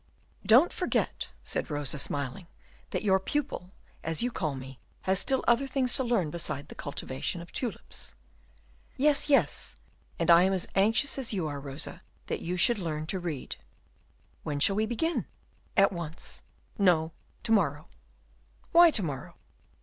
"Don't forget," said Rosa, smiling, "that your pupil, as you call me, has still other things to learn besides the cultivation of tulips." "Yes, yes, and I am as anxious as you are, Rosa, that you should learn to read." "When shall we begin?" "At once." "No, to morrow." "Why to morrow?"